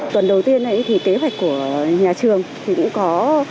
tuần đầu tiên này thì kế hoạch của nhà trường thì cũng có